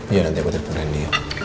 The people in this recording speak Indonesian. iya nanti aku telepon andi